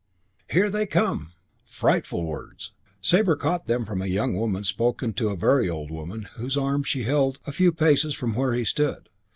"Here they come!" Frightful words! Sabre caught them from a young woman spoken to a very old woman whose arm she held a few paces from where he stood.